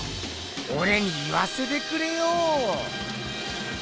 おれに言わせてくれよ。